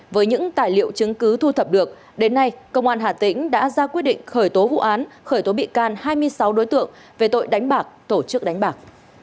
với những tài liệu chứng cứ thu thập được đến nay công an hà tĩnh đã ra quyết định khởi tố vụ án khởi tố bị can hai mươi sáu đối tượng về tội đánh bạc tổ chức đánh bạc